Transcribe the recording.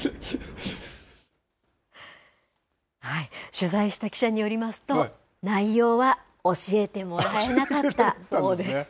取材した記者によりますと内容は教えてもらえなかったそうです。